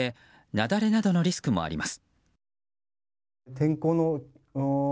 雪崩などのリスクもあります。